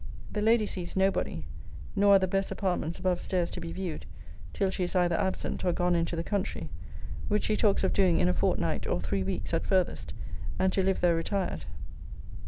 The lady sees nobody; nor are the best apartments above stairs to be viewed, till she is either absent, or gone into the country; which she talks of doing in a fortnight, or three weeks, at farthest, and to live there retired.